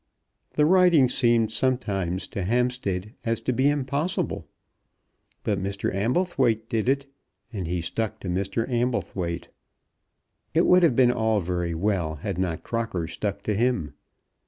The riding seemed sometimes to Hampstead to be impossible. But Mr. Amblethwaite did it, and he stuck to Mr. Amblethwaite. It would have been all very well had not Crocker stuck to him.